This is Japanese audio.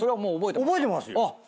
覚えてますよ。